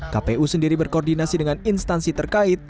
kpu sendiri berkoordinasi dengan instansi terkait